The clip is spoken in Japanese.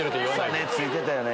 草ねついてたよね